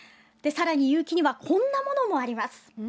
さらに結城には、こんなものもあります。